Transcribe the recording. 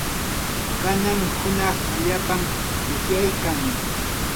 kanan hunaq allaapam usyaykan.